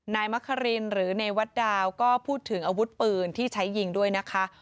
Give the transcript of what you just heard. นายมะครินหรือเนวัดดาวก็พูดถึงอาวุธปืนที่ใช้ยิงด้วยนะคะ